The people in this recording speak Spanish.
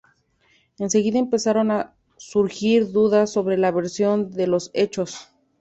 Enseguida empezaron a surgir dudas sobre la versión de los hechos.